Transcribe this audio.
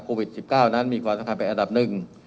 โควิด๑๙นั้นมีความสำคัญเป็นอันดับหนึ่ง